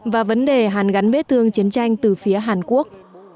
và vấn đề hàn gắn vết thương chiến tranh từ phía hàn quốc